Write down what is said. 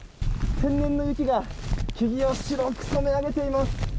天然の雪が木々を白く染め上げています。